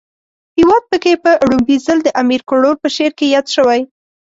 هیواد پکی په ړومبی ځل د امیر کروړ په شعر کې ياد شوی